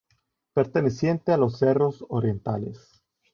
Perteneciente a los cerros Orientales.